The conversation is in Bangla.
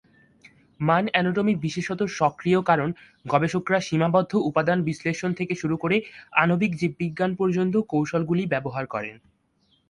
মান-অ্যানোটমি বিশেষত সক্রিয় কারণ গবেষকরা সীমাবদ্ধ উপাদান বিশ্লেষণ থেকে শুরু করে আণবিক জীববিজ্ঞান পর্যন্ত কৌশলগুলি ব্যবহার করেন।